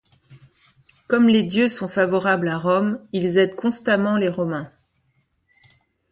Comme les dieux sont favorables à Rome, ils aident constamment les Romains.